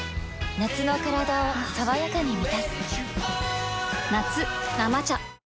夏のカラダを爽やかに満たす夏「生茶」